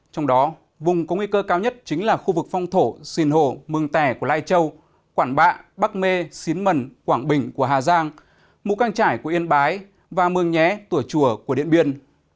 trong đó vùng có nguy cơ cao nhất chính là khu vực phong thổ xìn hồ mương tè của lai châu quản bạ bắc mê xín mần quảng bình của hà giang mũ căng trải của yên bái và mương nhé tùa chùa của điện biên